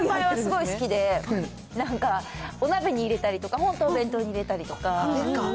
シュウマイはすごい好きで、なんかお鍋に入れたりとか、ぽんとお弁当に入れたりとか。